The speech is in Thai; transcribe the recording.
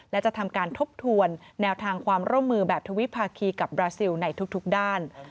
และจะทำการทบทวนแนวทางความร่วมมือแบบทวิภาคีกับบราซิลในทุกด้าน